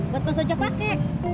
buat mas ojak pake